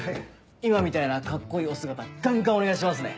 今みたいなカッコいいお姿ガンガンお願いしますね！